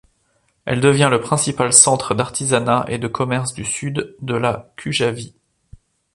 Elle devient le principal centre d’artisanat et de commerce du sud de la Cujavie.